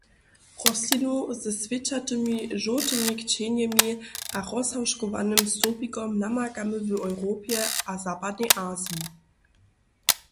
Rostlinu ze swěćatymi žołtymi kćenjemi a rozhałžkowanym stołpikom namakamy w Europje a zapadnej Aziji.